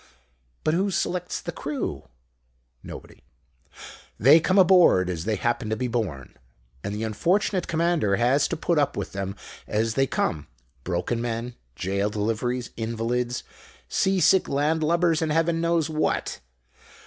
But who selects the crew? Nobody. They come aboard as they happen to be born, and the unfortunate Commander has to put up with them as they come broken men, jail deliveries, invalids, sea sick land lubbers, and Heaven knows what.